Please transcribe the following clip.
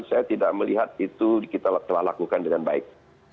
saya tidak melihat itu kita telah lakukan dengan baik